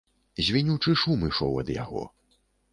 Звінючы шум ішоў ад яго.